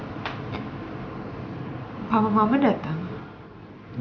papa mama dateng